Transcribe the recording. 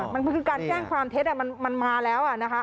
มันคือการแจ้งความเท็จมันมาแล้วนะคะ